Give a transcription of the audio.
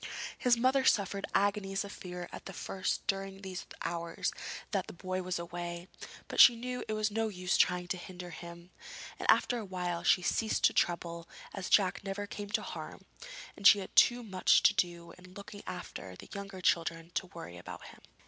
His mother suffered agonies of fear at first during these hours that the boy was away, but she knew it was no use trying to hinder him, and after a while she ceased to trouble, as Jack never came to harm, and she had too much to do in looking after the younger children to worry about him.